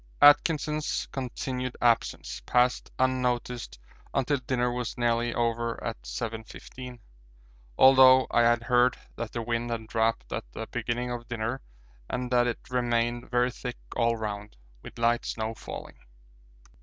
Atkinson's continued absence passed unnoticed until dinner was nearly over at 7.15, although I had heard that the wind had dropped at the beginning of dinner and that it remained very thick all round, with light snow falling.